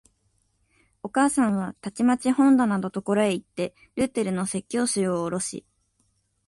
お母さんはたちまち本棚のところへいって、ルーテルの説教集をおろし、